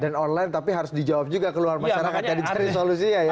dan online tapi harus dijawab juga keluar masyarakat jadi cari solusi ya ya